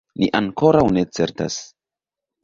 Ni ankoraŭ ne certas.